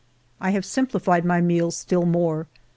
I have simplified my meals still more.